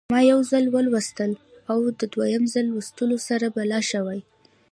ما یو ځل ولوستی او د دویم ځل لوستلو سره به لا ښه وي.